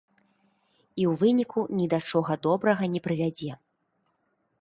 І ў выніку ні да чаго добрага не прывядзе.